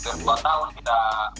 penasih coba coba penasih bukan dapat